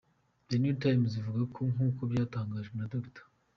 The New Times ivuga ko nk’uko byatangajwe na Dr.